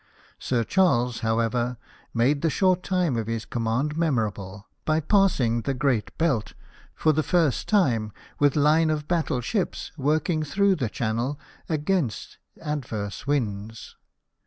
Sir Charles, however, made the short time of his command memorable, by passing the Great Belt, for the first time, with Hne of battle ships, working through the channel against adverse winds.